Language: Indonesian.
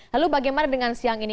lalu bagaimana dengan siang ini